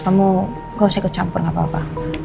kamu gak usah ikut campur gak apa apa